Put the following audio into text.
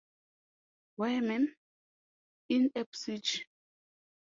‘Where, ma’am?’ ‘In Ipswich.’